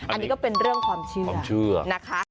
อันนี้ก็เป็นเรื่องความเชื่อนะคะ